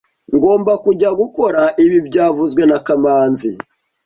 Ngomba kujya gukora ibi byavuzwe na kamanzi